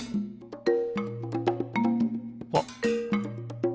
あっ！